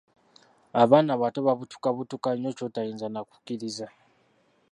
Abaana abato babutukabutuka nnyo kyotayinza nakukkiriza.